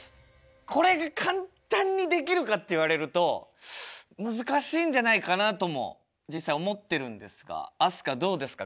これが簡単にできるかって言われると難しいんじゃないかなとも実際思ってるんですが飛鳥どうですか？